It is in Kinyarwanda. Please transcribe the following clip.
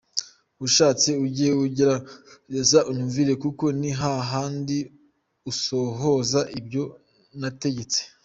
Ushatse ujye ugerageza unyumvire, kuko ni hahandi usohoza ibyo nategetse.